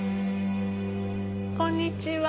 こんにちは。